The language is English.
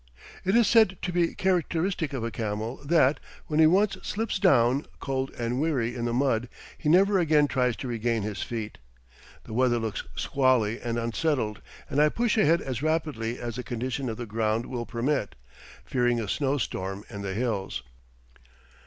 It is said to be characteristic of a camel that, when he once slips down, cold and weary, in the mud, he never again tries to regain his feet. The weather looks squally and unsettled, and I push ahead as rapidly as the condition of the ground will permit, fearing a snow storm in the hills.